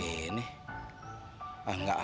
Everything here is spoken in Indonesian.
eh keren tuh